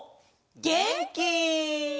げんき！